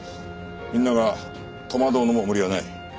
みんなが戸惑うのも無理はない。